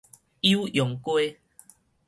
酉陽街